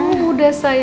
mama udah sehat